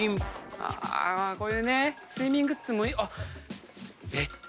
あこういうね睡眠グッズもあっ！